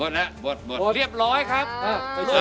หมดเรียบร้อยครับหมดแล้วหมด